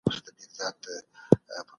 قرآن د زړونو لپاره شفا ده.